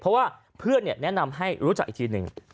เพราะว่าเพื่อนแนะนำให้รู้จักอีกทีหนึ่ง